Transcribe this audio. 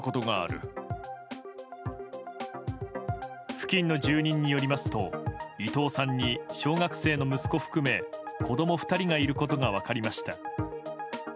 付近の住人によりますと伊藤さんに小学生の息子含め子供２人がいることが分かりました。